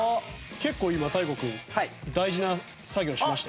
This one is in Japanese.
結構今大光君大事な作業しました。